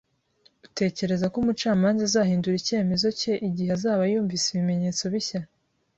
Utekereza ko umucamanza azahindura icyemezo cye igihe azaba yumvise ibimenyetso bishya?